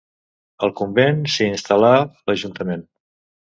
Al convent, s'hi instal·là l'Ajuntament.